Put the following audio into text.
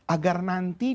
agar nanti di dalamnya